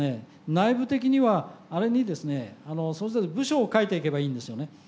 内部的にはあれにですねそれぞれ部署を書いていけばいいんですよね。